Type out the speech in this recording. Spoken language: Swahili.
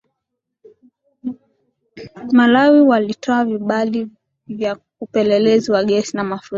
malawi walitoa vibali vya upelelezi wa gesi na mafuta